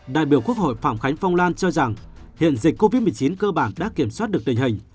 đại biểu quốc hội phạm khánh phong lan cho rằng hiện dịch covid một mươi chín cơ bản đã kiểm soát được tình hình